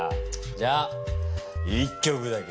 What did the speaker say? じゃあ１曲だけ。